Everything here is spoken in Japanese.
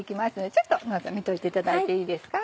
ちょっと見といていただいていいですか？